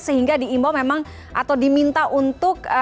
sehingga diimbau memang atau diminta untuk